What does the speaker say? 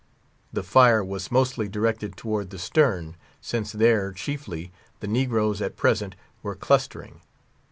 The fire was mostly directed towards the stern, since there, chiefly, the negroes, at present, were clustering.